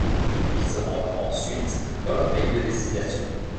Ils se rendent ensuite dans leur pays de destination.